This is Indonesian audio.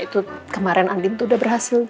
itu kemarin andin itu udah berhasil